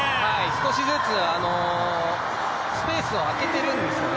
少しずつ、スペースを空けているんですよね。